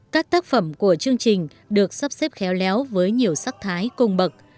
các tác phẩm của chương trình được sắp xếp khéo léo với nhiều sắc thái cung bậc